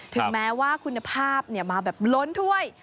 ถึงแม้ว่าคุณภาพมาแบบล้นถ้วย